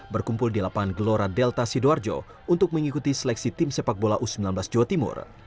berkumpul di lapangan gelora delta sidoarjo untuk mengikuti seleksi tim sepak bola u sembilan belas jawa timur